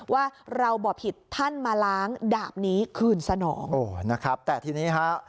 ว่าเราบอกผิดท่านมาล้างดาบนี้คืนสนองโอ้นะครับแต่ทีนี้ฮะ